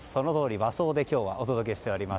和装でお届けしております。